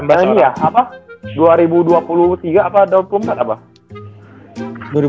yang ini ya apa